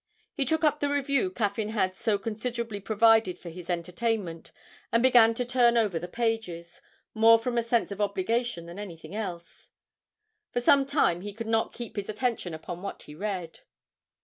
He took up the Review Caffyn had so considerately provided for his entertainment and began to turn over the pages, more from a sense of obligation than anything else. For some time he could not keep his attention upon what he read.